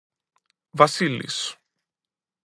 Βασίλης